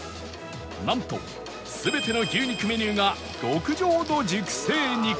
なんと全ての牛肉メニューが極上の熟成肉